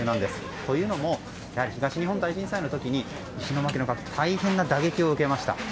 というのも、東日本大震災の時に石巻のカキは大変な打撃を受けました。